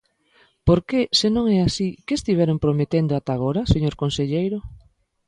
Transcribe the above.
Porque, se non é así, ¿que estiveron prometendo ata agora, señor conselleiro?